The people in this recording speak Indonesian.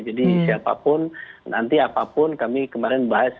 jadi siapapun nanti apapun kami kemarin bahas